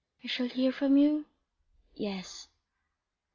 "I shall hear from you?" "Yes."